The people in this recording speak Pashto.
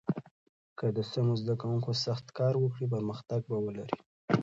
که د سمو زده کوونکو سخت کار وکړي، پرمختګ به ولري.